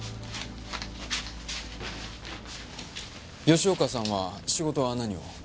吉岡さんは仕事は何を？